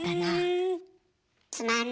うん。